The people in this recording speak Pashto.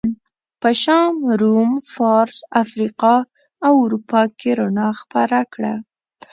په شام، روم، فارس، افریقا او اروپا کې رڼا خپره کړه.